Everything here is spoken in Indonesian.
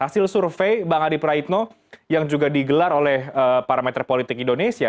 hasil survei bang adi praitno yang juga digelar oleh parameter politik indonesia